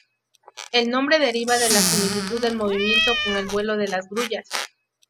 El nombre deriva de la similitud del movimiento con el vuelo de las grullas.